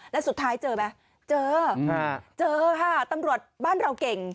แล้วสุดท้ายเจอไหมเจอเจอค่ะตำรวจบ้านเราเก่ง